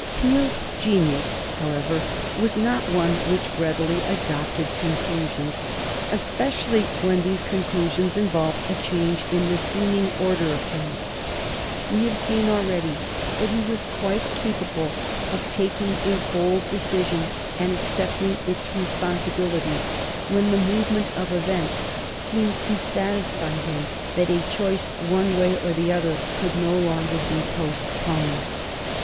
Peel's genius, however, was not one which readily adopted conclusions, especially when these conclusions involved a change in the seeming order of things. We have seen already that he was quite capable of taking a bold decision and accepting its responsibilities when the movement of events seemed to satisfy him that a choice one way or the other could no longer be postponed.